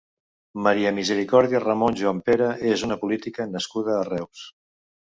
Maria Misericòrdia Ramon Juanpere és una política nascuda a Reus.